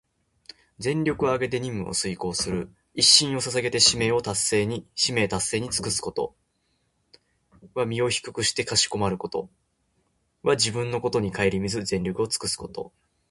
全力をあげて任務を遂行する、一身を捧げて使命達成に尽くすこと。「鞠躬」は身を低くしてかしこまること。「尽瘁」は自分のことをかえりみずに、全力をつくすこと。